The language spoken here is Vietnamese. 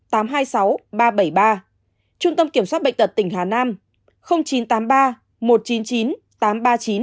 trung tâm kiểm soát bệnh tật tỉnh hà nam chín trăm tám mươi ba một trăm chín mươi chín tám trăm ba mươi chín